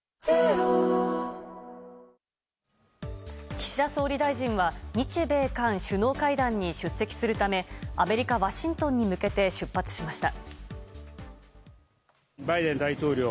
岸田総理大臣は日米韓首脳会談に出席するためアメリカ・ワシントンに向けて出発しました。